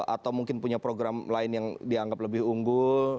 atau mungkin punya program lain yang dianggap lebih unggul